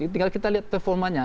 tinggal kita lihat performanya